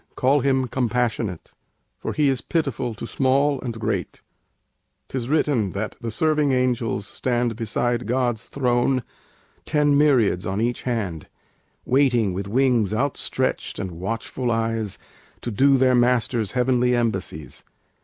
call Him "Compassionate,"_ For He is pitiful to small and great. 'Tis written that the serving angels stand Beside God's throne, ten myriads on each hand, Waiting, with wings outstretched and watchful eyes, To do their Master's heavenly embassies.